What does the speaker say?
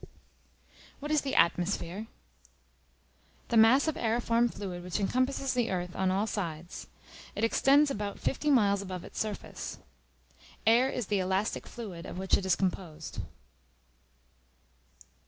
What is the Atmosphere? The mass of aëriform fluid which encompasses the earth on all sides: it extends about fifty miles above its surface. Air is the elastic fluid of which it is composed.